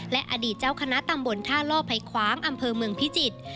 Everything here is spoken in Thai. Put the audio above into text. และอดีตเจ้าคณะตำบลท่าล่อภัยคว้างอำเภอเมืองพิจิตร